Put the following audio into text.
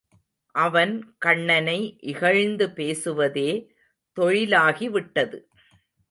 அவன் கண்ணனை இகழ்ந்து பேசுவதே தொழிலாகி விட்டது.